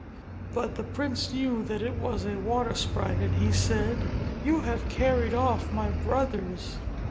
But the prince knew that it was a water sprite and he said, "You have carried off my brothers!"